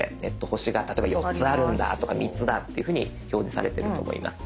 星が例えば４つあるんだとか３つだっていうふうに表示されてると思います。